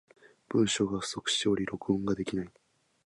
文章が不足しており、録音ができない。